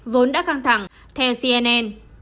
vốn đã căng thẳng theo cnn